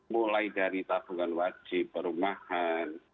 mulai dari tabungan wajib perumahan